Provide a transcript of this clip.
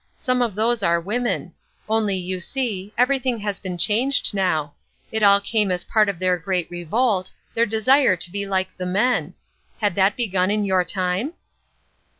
Some of those are women. Only, you see, everything has been changed now. It all came as part of their great revolt, their desire to be like the men. Had that begun in your time?"